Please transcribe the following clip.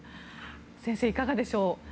先生、いかがでしょう。